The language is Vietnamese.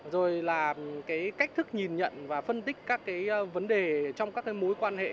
rồi là cái cách thức nhìn nhận và phân tích các cái vấn đề trong các cái mối quan hệ